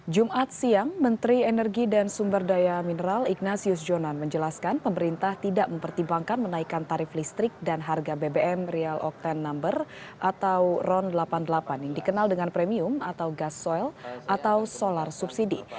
jumat siang menteri energi dan sumber daya mineral ignatius jonan menjelaskan pemerintah tidak mempertimbangkan menaikkan tarif listrik dan harga bbm real oktan number atau ron delapan puluh delapan yang dikenal dengan premium atau gas soil atau solar subsidi